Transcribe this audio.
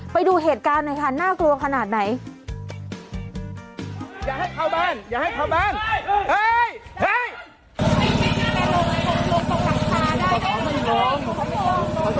ไปดูเหตุการณ์หน่อยค่ะน่ากลัวขนาดไหน